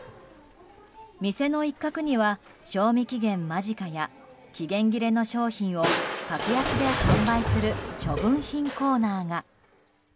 店の一角には賞味期限間近や期限切れの商品を格安で販売する処分品コーナーが。